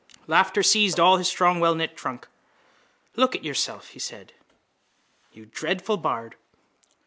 Laughter seized all his strong wellknit trunk. —Look at yourself, he said, you dreadful bard!